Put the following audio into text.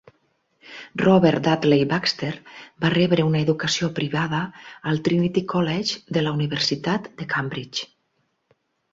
Robert Dudley Baxter va rebre una educació privada al Trinity College de la universitat de Cambridge .